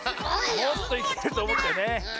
もうちょっといけるとおもったよね。